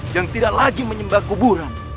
yang tidak lagi menyembah kuburan